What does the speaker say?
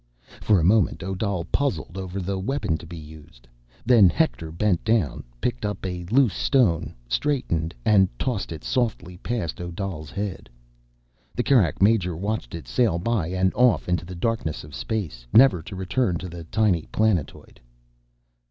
For a moment, Odal puzzled over the weapon to be used. Then Hector bent down, picked up a loose stone, straightened, and tossed it softly past Odal's head. The Kerak major watched it sail by and off into the darkness of space, never to return to the tiny planetoid.